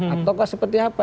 atau seperti apa